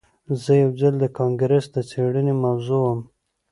زه یو ځل د کانګرس د څیړنې موضوع وم